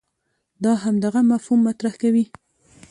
دا همدغه مفهوم مطرح کوي.